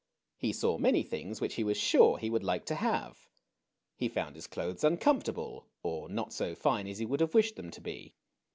He saw many things which he was sure he would like to have. He found his clothes uncomfortable; or not so fine as he would have wished them to be.